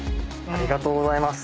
ありがとうございます！